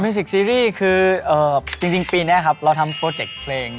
สิกซีรีส์คือจริงปีนี้ครับเราทำโปรเจกต์เพลง